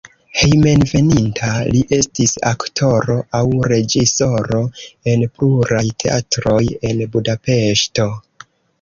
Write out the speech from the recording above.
Hejmenveninta li estis aktoro aŭ reĝisoro en pluraj teatroj en Budapeŝto.